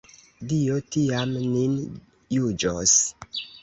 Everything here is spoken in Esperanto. Dio tiam nin juĝos!